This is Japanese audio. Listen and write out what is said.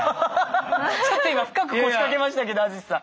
ちょっと今深く腰掛けましたけど淳さん。